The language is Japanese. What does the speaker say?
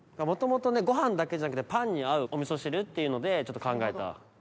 もともとご飯だけじゃなくてパンに合うお味噌汁っていうのでちょっと考えた。